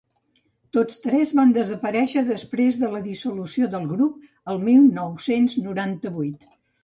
Tots tres van desaparèixer després de la dissolució del grup el mil nou-cents noranta-vuit.